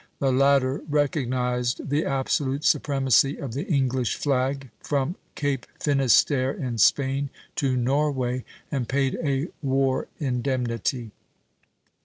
The latter recognized the absolute supremacy of the English flag from Cape Finisterre in Spain to Norway, and paid a war indemnity.